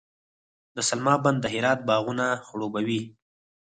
د سلما بند د هرات باغونه خړوبوي.